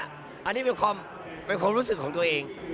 อันนี้เป็นความรู้สึกของตัวเอง